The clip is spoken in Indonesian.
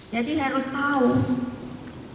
jadi harus tahu